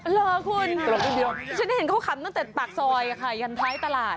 หรอคุณจะเห็นเข้าขำตั้งแต่ตากซอยยันไทยตลาด